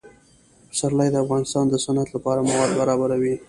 پسرلی د افغانستان د صنعت لپاره مواد برابروي.